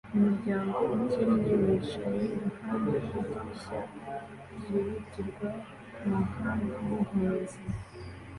Umuryango ukennye wicaye iruhande rw'idirishya ryihutirwa mu nkambi y'impunzi